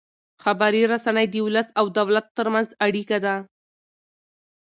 خبري رسنۍ د ولس او دولت ترمنځ اړیکه ده.